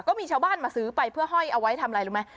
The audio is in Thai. ก็มีชาวบ้านมาซื้อไปเพื่อห้อยเอาไว้ทำอะไรรู้ไหม